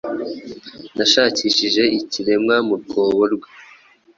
Nashakishije ikiremwa mu rwobo rwe